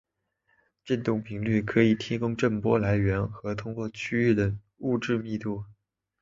振动频率可以提供震波来源和通过区域的物质密度。